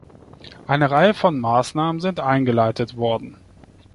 Eine Reihe von Maßnahmen sind eingeleitet worden.